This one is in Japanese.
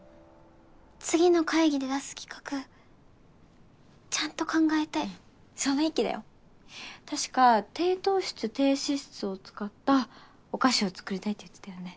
次の会議で出す企画ちゃんと考えたいその意気だよ確か低糖質低脂質を使ったお菓子を作りたいって言ってたよね？